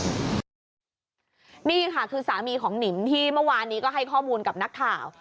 นี่ค่ะคือสามีของหนิมที่เมื่อวานนี้ก็ให้ข้อมูลกับนักข่าว